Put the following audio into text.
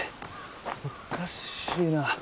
おかしいな。